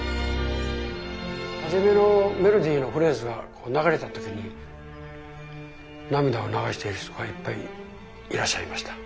初めのメロディーのフレーズが流れた時に涙を流している人がいっぱいいらっしゃいました。